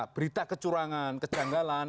berita kecurangan kejanggalan